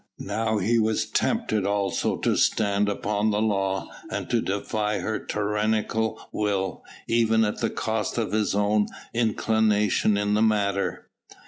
Now he was tempted also to stand upon the law and to defy her tyrannical will, even at the cost of his own inclinations in the matter.